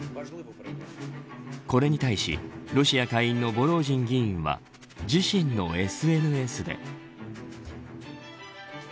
これに対しロシア下院のヴォロージン議員は自身のＳＮＳで。